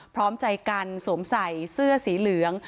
พร้อมใจกันสวมใส่เสื้อสีเหลือง